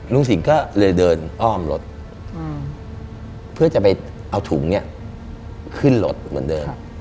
ลุงสิงห์ก็เลยเดินอ้อมรถเพื่อจะไปเอาถุงเนี่ยขึ้นรถเหมือนเดิม